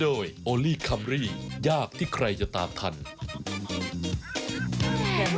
เพราะว่าจุ๋ยเขาจะว่ายังไงที่กระเพาะปัสสาวะอักเสบ